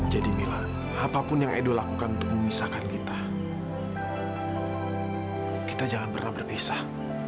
jadi mila apapun yang edo lakukan untuk memisahkan kita kita jangan pernah berpisah